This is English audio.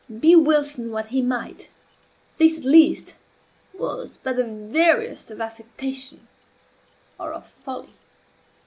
Be Wilson what he might, this, at least, was but the veriest of affectation, or of folly.